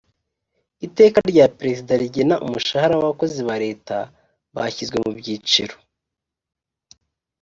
iteka rya perezida rigena umushahara w’ abakozi ba leta bashyizwe mu byiciro